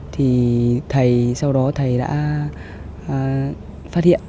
thì thầy sau đó thầy đã phát hiện